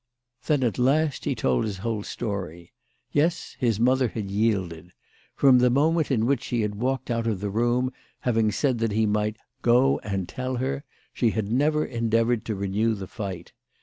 Then at last he told his whole story. Yes ; his mother had yielded. From the moment in which she had walked out of the room, having said that he might " go and tell her," she had never endeavoured to renew the fight.